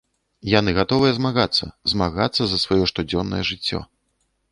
Яны гатовыя змагацца, змагацца за сваё штодзённае жыццё.